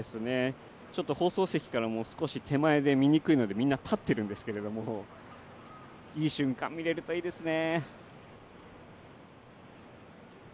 放送席からも少し手前で見にくいのでみんな立っているんですけども、いい瞬間が見れるといいですね。